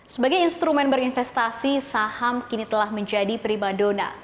sebagai instrumen berinvestasi saham kini telah menjadi peribadona